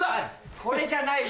これじゃないよ